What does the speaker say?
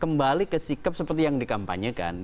kembali ke sikap seperti yang dikampanyekan